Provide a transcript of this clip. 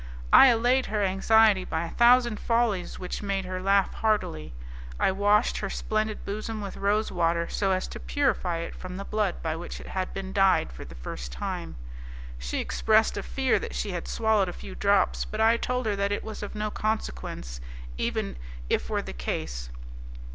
I allayed her anxiety by a thousand follies which made her laugh heartily. I washed her splendid bosom with rosewater, so as to purify it from the blood by which it had been dyed for the first time. She expressed a fear that she had swallowed a few drops, but I told her that it was of no consequence, even if were the case.